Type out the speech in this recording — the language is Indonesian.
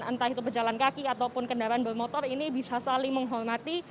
entah itu pejalan kaki ataupun kendaraan bermotor ini bisa saling menghormati